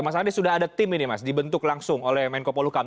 mas andi sudah ada tim ini mas dibentuk langsung oleh menko polukam